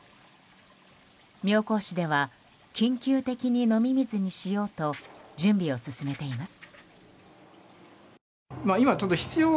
妙高市では緊急的に飲み水にしようと準備を進めています。